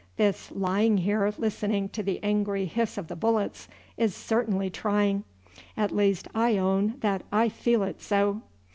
This lying here listening to the angry hiss of the bullets is certainly trying; at least I own that I feel it so."